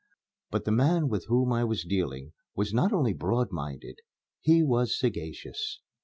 But the man with whom I was dealing was not only broad minded, he was sagacious.